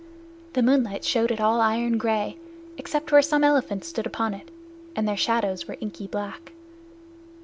The moonlight showed it all iron gray, except where some elephants stood upon it, and their shadows were inky black.